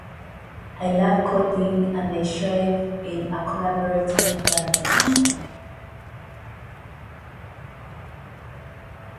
The channel was intended to relaunch at a later date.